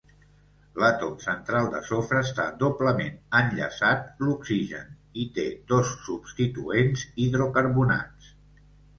L'àtom central de sofre està doblement enllaçat l'oxigen i té dos substituents hidrocarbonats.